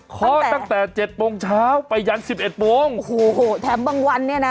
เคาะตั้งแต่เจ็ดโมงเช้าไปยันสิบเอ็ดโมงโอ้โหแถมบางวันเนี่ยนะ